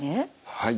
はい。